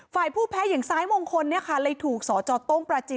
ฝ่ายผู้แพ้อย่างซ้ายมงคลเนี่ยค่ะเลยถูกสจต้งปราจี